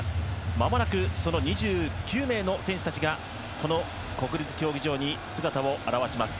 まもなく、２９名の選手たちがこの国立競技場に姿を現します。